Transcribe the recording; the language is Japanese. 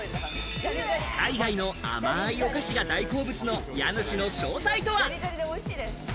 海外の甘いお菓子が大好物の家主の正体とは？